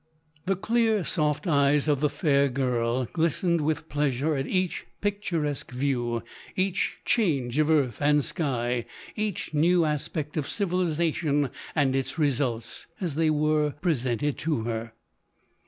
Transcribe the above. The clear soft eyes of the fair girl glistened with pleasure at each picturesque view, each change of earth and sky, each new aspect of civilization and its results, as they were pre sented to her.